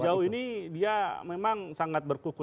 sejauh ini dia memang sangat berkuku